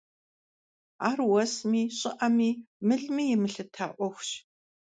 Ар уэсми, щӀыӀэми, мылми емылъыта Ӏуэхущ.